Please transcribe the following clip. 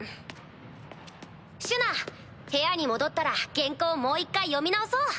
シュナ部屋に戻ったら原稿もう一回読み直そう！